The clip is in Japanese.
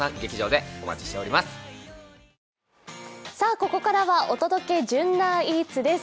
ここからは「お届け！ｊｕｎｎａｒＥａｔｓ」です。